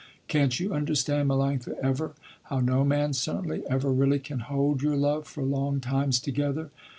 Can't you understand Melanctha, ever, how no man certainly ever really can hold your love for long times together.